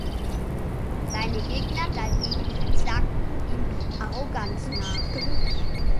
Seine Gegner dagegen sagten ihm Arroganz nach.